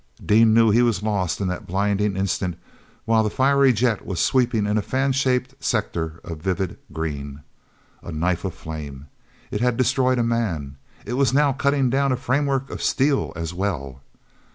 Dean knew he was lost in the blinding instant while that fiery jet was sweeping in a fan shaped sector of vivid green. A knife of flame! It had destroyed a man: it was now cutting down a framework of steel as well!